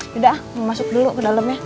tidak mau masuk dulu ke dalam ya